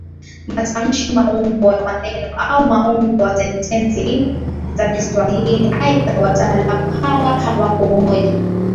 matamshi maumbo ya maneno au muundo wa sentensi za Kiswahili aidha wataalamu hawa hawakuhoji